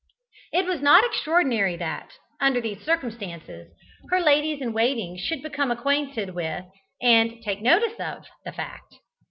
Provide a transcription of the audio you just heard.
It was not extraordinary that, under these circumstances, her ladies in waiting should become acquainted with, and take notice of, the fact.